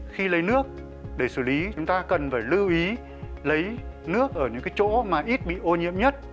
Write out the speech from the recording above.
khi lấy nước để xử lý chúng ta cần phải lưu ý lấy nước ở những cái chỗ mà ít bị ô nhiễm nhất